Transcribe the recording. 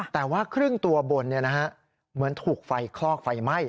แต่ว่าครึ่งตัวบนเหมือนถูกไฟคลอกไฟไหม้